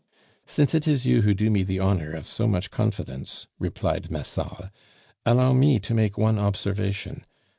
"Since it is you who do me the honor of so much confidence," replied Massol, "allow me to make one observation.